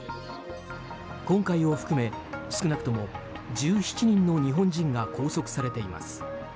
今回を含め少なくとも１７人の日本人が拘束されています。